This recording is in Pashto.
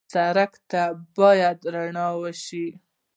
سړک ته باید درناوی وشي.